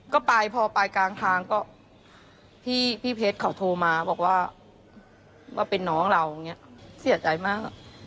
ก็ไปพอไปกลางทางก็พี่เพชรเขาโทรมาบอกว่าว่าเป็นน้องเราอย่างนี้เสียใจมาก